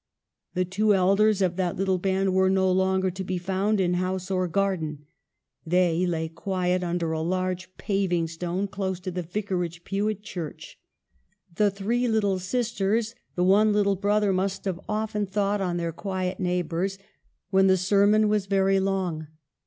The two elders of that little band were no longer to be found in house or garden — they lay quiet under a large paving stone close to the vicarage pew at church. The three little sisters, the one little brother, must have often thought on their quiet neighbors when the sermon was very long.